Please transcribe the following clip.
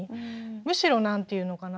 むしろ何て言うのかな。